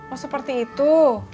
oh seperti itu